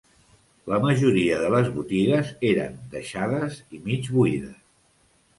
La majoria de les botigues eren deixades i mig buides.